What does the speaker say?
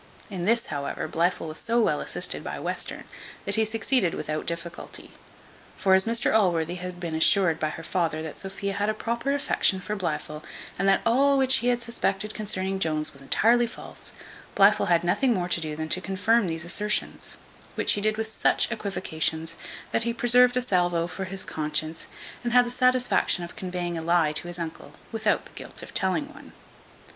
In this, however, Blifil was so well assisted by Western, that he succeeded without difficulty; for as Mr Allworthy had been assured by her father that Sophia had a proper affection for Blifil, and that all which he had suspected concerning Jones was entirely false, Blifil had nothing more to do than to confirm these assertions; which he did with such equivocations, that he preserved a salvo for his conscience; and had the satisfaction of conveying a lie to his uncle, without the guilt of telling one.